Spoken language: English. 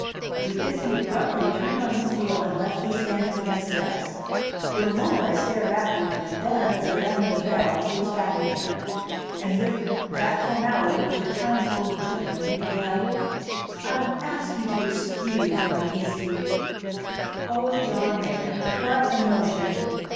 With this he abruptly turned on his heel and left me standing on the steps. For a moment I stared after him; and then, as I rang the bell, he was back again; and with that formality which at times overtook him he began: "I will ask you to excuse my hasty " "Oh, John Mayrant! What a notion!"